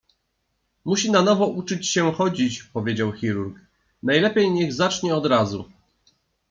Musi na nowo uczyć się chodzić powiedział chirurg. - Najlepiej niech zacznie od razu.